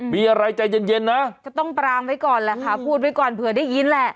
มีอะไรใจเย็นนะจะต้องปรางไว้ก่อนแหละค่ะพูดไว้ก่อนเผื่อได้ยินแหละ